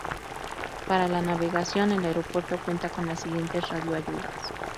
Para la navegación el aeropuerto cuenta con las siguientes radio ayudas